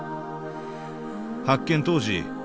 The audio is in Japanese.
発見当時